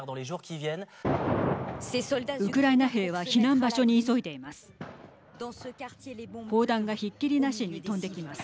ウクライナ兵は避難場所に急いでいます。